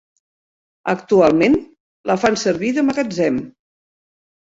Actualment la fan servir de magatzem.